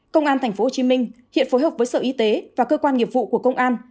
công an tp hồ chí minh hiện phối hợp với sở y tế và cơ quan nghiệp vụ của công an